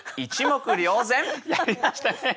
やりましたね！